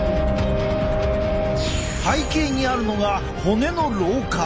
背景にあるのが骨の老化。